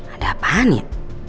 ada apaan ya